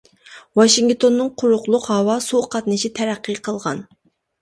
ۋاشىنگتوننىڭ قۇرۇقلۇق، ھاۋا، سۇ قاتنىشى تەرەققىي قىلغان.